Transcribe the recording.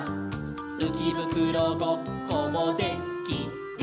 「うきぶくろごっこもで・き・る」